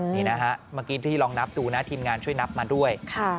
นี่นะฮะเมื่อกี้ที่ลองนับดูนะทีมงานช่วยนับมาด้วย